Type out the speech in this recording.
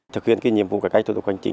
thực hiện nhiệm vụ cải cách thủ tục hành chính